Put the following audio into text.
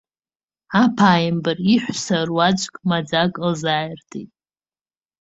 Аԥааимбар, иҳәса руаӡәк маӡак лзааиртит.